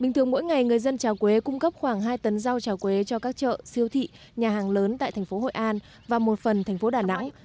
bình thường mỗi ngày người dân trà quế cung cấp khoảng hai tấn rau trà quế cho các chợ siêu thị nhà hàng lớn tại thành phố hội an và một phần thành phố đà nẵng